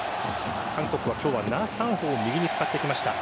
韓国は今日はナ・サンホを右に使ってきました。